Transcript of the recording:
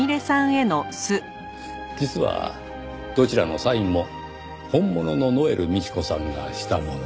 実はどちらのサインも本物のノエル美智子さんがしたもの。